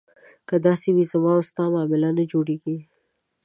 که داسې وي زما او ستا معامله نه جوړېږي.